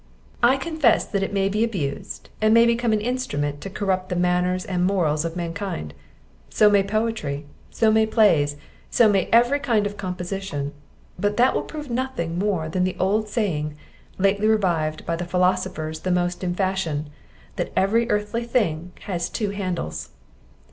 I confess that it may be abused, and become an instrument to corrupt the manners and morals of mankind; so may poetry, so may plays, so may every kind of composition; but that will prove nothing more than the old saying lately revived by the philosophers the most in fashion, "that every earthly thing has two handles."